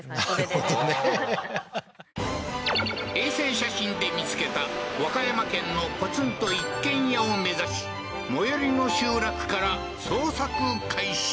なるほどね衛星写真で見つけた和歌山県のポツンと一軒家を目指し最寄りの集落から捜索開始